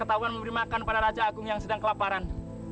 ketahuan memberi makan pada raja agung yang sedang kelaparan